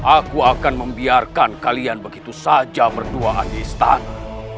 aku akan membiarkan kalian begitu saja berduaan di istana